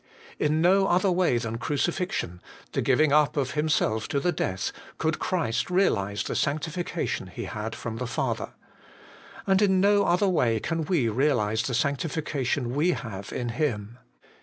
In no other way than crucifixion, the giving up .of Himself to the death, could Christ realize the sanctification He had from the Father. And in no other way can we realize the sanctification we have in Him.